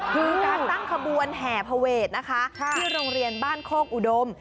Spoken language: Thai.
คือการตั้งขบวนแห่พระเวทนะคะที่โรงเรียนบ้านโคกอุดม